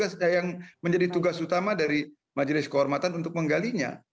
ya memang ini yang harus menjadi tugas utama dari majelis kehormatan untuk menggalinya